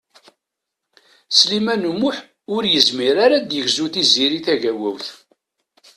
Sliman U Muḥ ur yezmir ara ad yegzu Tiziri Tagawawt.